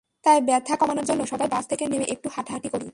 তাই ব্যথা কমানোর জন্য সবাই বাস থেকে নেমে একটু হাঁটাহাঁটি করি।